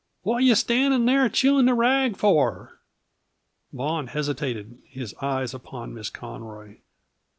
What yuh standing there chewing the rag for?" Vaughan hesitated, his eyes upon Miss Conroy.